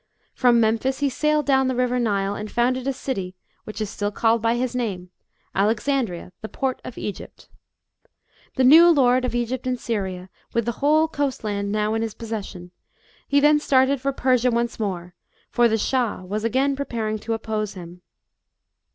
From Memphis he sailed down the river Nile and founded a city, which is still called by his name, Alexandria, the port of Egypt. The new lord of Egypt and Syria, with the whole coast land now in his possession, then started for Persia once more, for the Shah was again preparing to oppose him.